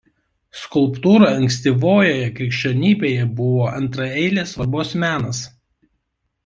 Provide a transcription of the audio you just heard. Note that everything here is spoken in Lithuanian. Skulptūra ankstyvojoje krikščionybėje buvo antraeilės svarbos menas.